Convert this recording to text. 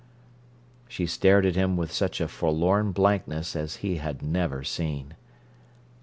She stared at him with such a forlorn blankness as he had never seen.